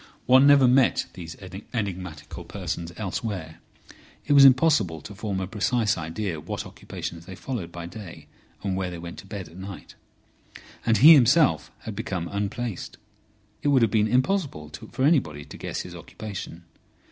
One never met these enigmatical persons elsewhere. It was impossible to form a precise idea what occupations they followed by day and where they went to bed at night. And he himself had become unplaced. It would have been impossible for anybody to guess his occupation.